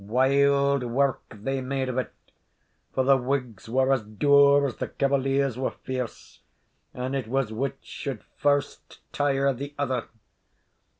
Wild wark they made of it; for the Whigs were as dour as the Cavaliers were fierce, and it was which should first tire the other.